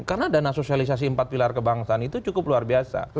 karena dana sosialisasi empat pilar kebangsaan itu cukup luar biasa